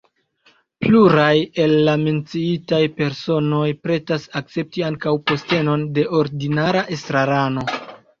Pluraj el la menciitaj personoj pretas akcepti ankaŭ postenon de ordinara estrarano.